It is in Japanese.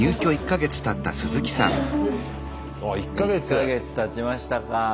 １か月たちましたか。